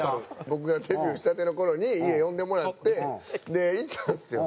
僕がデビューしたての頃に家呼んでもらって行ったんですよ。